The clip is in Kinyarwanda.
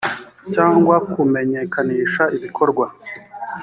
cyangwa kumenyekanisha ibikorwa